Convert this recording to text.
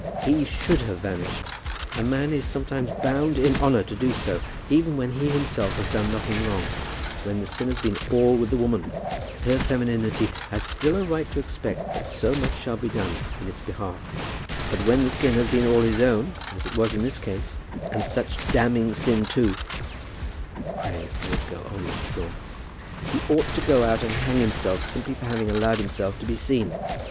"He should have vanished. A man is sometimes bound in honour to do so, even when he himself has done nothing wrong; when the sin has been all with the woman. Her femininity has still a right to expect that so much shall be done in its behalf. But when the sin has been all his own, as it was in this case, and such damning sin too, " "Pray do not go on, Mrs. Thorne." "He ought to go out and hang himself simply for having allowed himself to be seen.